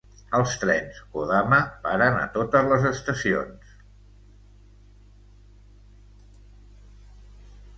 Els trens "Kodama" paren a totes les estacions.